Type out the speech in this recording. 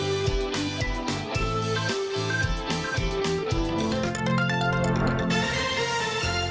โปรดติดตามตอนต่อไป